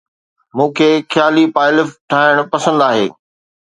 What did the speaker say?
مون کي خيالي پائلف ٺاهڻ پسند آهي